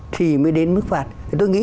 thì mới đến mức phạt tôi nghĩ